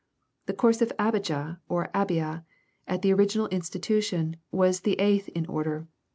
The course of Abijah, or Abia, at the original in^ stitution, was the eighth in order.